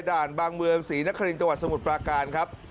ด่านบางเมืองศรีนคริงจสมุทรปลาการครับ